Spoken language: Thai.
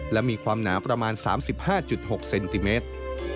และมีความหนาประมาณ๓๕๖เซนติเมตร